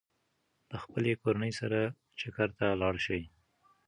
د خپلې کورنۍ سره چکر ته لاړ شئ.